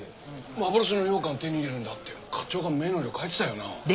幻のようかん手に入れるんだって課長が目の色変えてたよな。